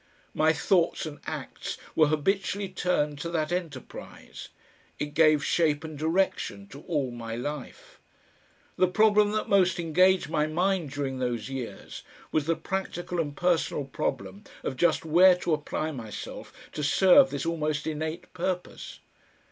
My thoughts and acts were habitually turned to that enterprise; it gave shape and direction to all my life. The problem that most engaged my mind during those years was the practical and personal problem of just where to apply myself to serve this almost innate purpose.